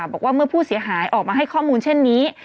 บอกว่าเมื่อผู้เสียหายออกมาให้ข้อมูลเช่นนี้